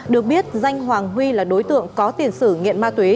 được biết danh hoàng huy là đối tượng có tiền sử nghiện ma túy